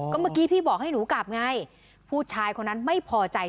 ก็เมื่อกี้พี่บอกให้หนูกลับไงผู้ชายคนนั้นไม่พอใจ